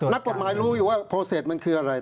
นักปรบหมายรู้ว่าโปรเศษมันคืออะไร